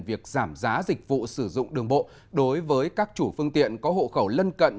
việc giảm giá dịch vụ sử dụng đường bộ đối với các chủ phương tiện có hộ khẩu lân cận